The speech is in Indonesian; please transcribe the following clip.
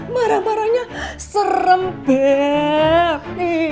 marah marahnya serem bet